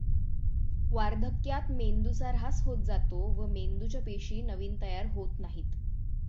वार्धक्यात मेंदूचा ऱ्हास होत जातो व मेंदूच्या पेशी नवीन तयार होत नाहीत.